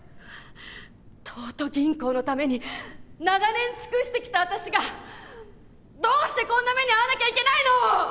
東都銀行のために長年尽くしてきた私がどうしてこんな目に遭わなきゃいけないの！？